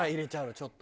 ちょっと？